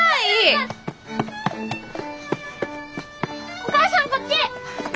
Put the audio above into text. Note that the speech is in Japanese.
お母さんこっち！